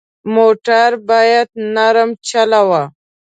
موټر باید نرم چلوه.